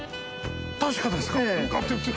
確かですか？